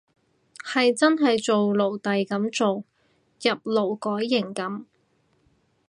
係真係做奴隸噉做，入勞改營噉